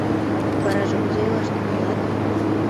Вараже кузе илаш тӱҥалат?